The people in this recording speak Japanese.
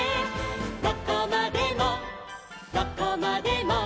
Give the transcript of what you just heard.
「どこまでもどこまでも」